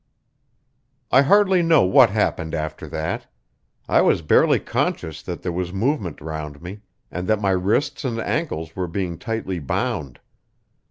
I hardly know what happened after that. I was barely conscious that there was movement round me, and that my wrists and ankles were being tightly bound.